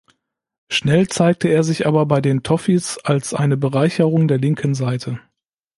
Schnell zeigte er sich aber bei den „Toffees“ als eine Bereicherung der linken Seite.